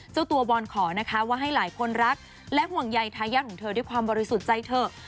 เจ้าตัวบอลขอนะคะว่าให้หลายคนรักและห่วงใยทายาทของเธอด้วยความบริสุทธิ์ใจเถอะ